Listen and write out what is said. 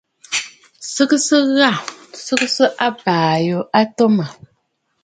Sɨgɨsə ghâ! Sɨgɨgɨsə abèʼè yû a atu mə̀.